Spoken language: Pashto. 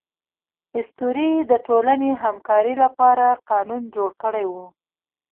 اسطورې د ټولنې همکارۍ لپاره قانون جوړ کړی و.